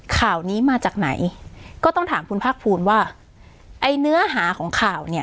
ข่าวนี้มาจากไหนก็ต้องถามคุณภาคภูมิว่าไอ้เนื้อหาของข่าวเนี่ย